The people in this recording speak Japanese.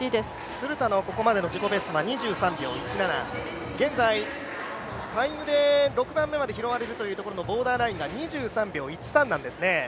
鶴田のここまでの自己ベストが２３秒１７現在、タイムで６番目まで拾われるというところのボーダーラインが２２秒１３なんですね。